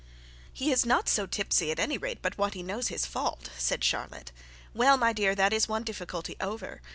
'He is not so tipsy, at any rate, but what he knows his fault,' said Charlotte. 'Well, my dear, that is one difficulty over.